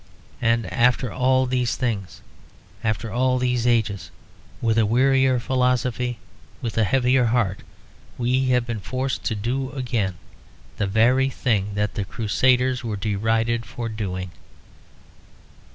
And after all these things, after all these ages, with a wearier philosophy, with a heavier heart, we have been forced to do again the very thing that the Crusaders were derided for doing.